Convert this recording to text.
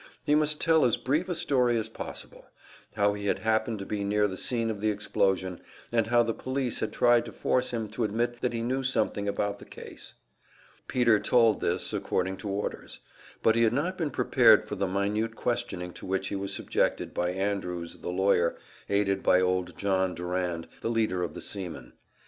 He must tell as brief a story as possible; how he had happened to be near the scene of the explosion, and how the police had tried to force him to admit that he knew something about the case. Peter told this, according to orders; but he had not been prepared for the minute questioning to which he was subjected by Andrews, the lawyer, aided by old John Durand, the leader of the seamen.